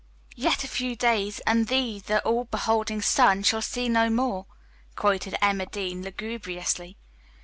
"'Yet a few days, and thee the all beholding sun shall see no more.'" quoted Emma Dean lugubriously.